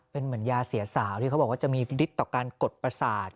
เป็นเหมือนยาเสียสาวที่เขาบอกว่าจะมีพินิษฐ์ต่อการกดประสาท